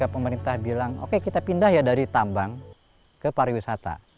pemerintah bilang oke kita pindah ya dari tambang ke pariwisata